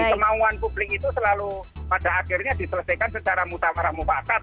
kemauan publik itu selalu pada akhirnya diselesaikan secara mutamarah mufakat